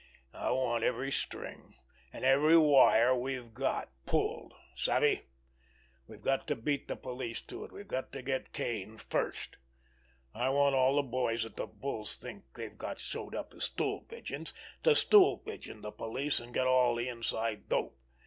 I want every string and every wire we've got pulled. Savvy? We've got to beat the police to it. We've got to get Kane—first. I want all the boys that the bulls think they've got sewed up as stool pigeons to stool pigeon the police and get all the inside dope.